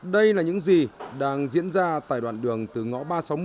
đây là những gì đang diễn ra tại đoạn đường từ ngõ ba trăm sáu mươi